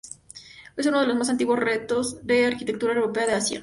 Es uno de los más antiguos restos de arquitectura europea de Asia.